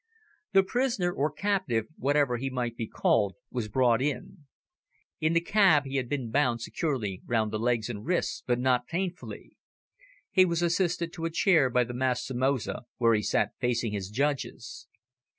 The prisoner, or captive, whatever he might be called, was brought in. In the cab he had been bound securely round the legs and wrists, but not painfully. He was assisted to a chair by the masked Somoza, where he sat facing his judges.